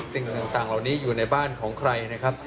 สิ่งต่างเหล่านี้อยู่ในบ้านของใครนะครับ